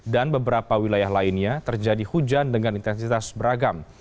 dan beberapa wilayah lainnya terjadi hujan dengan intensitas beragam